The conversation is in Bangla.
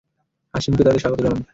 হাসিমুখে তাদের স্বাগত জানান।